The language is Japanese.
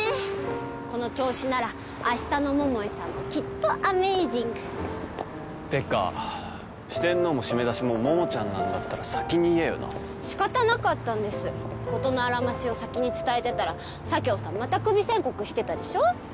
この調子ならあしたの桃井さんもきっとアメージングてか四天王も閉め出しも桃ちゃんなんだったら先に言えよなしかたなかったんです事のあらましを先に伝えてたら佐京さんまたクビ宣告してたでしょう？